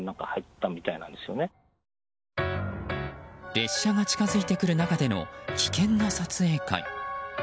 列車が近づいてくる中での危険な撮影会。